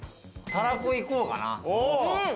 たらこ行こうかな。